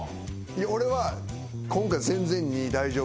俺は今回全然弐大丈夫っぽい。